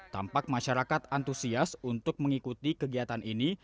tampak masyarakat antusias untuk mengikuti kegiatan ini